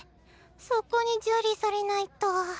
そこに受理されないと。